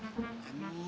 hah aku ingat ini